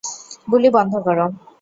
গুলি বন্ধ করো।